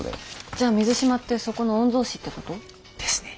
じゃあ水島ってそこの御曹子ってこと？ですね。